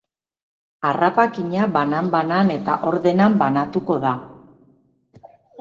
Harrapakina banan-banan eta ordenan banatuko da.